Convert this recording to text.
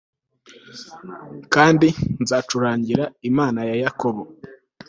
kandi nzacurangira imana ya yakobo